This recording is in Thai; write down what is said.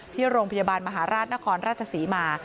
ที่โรงพยาบาลมหาราชนครราชศรีมา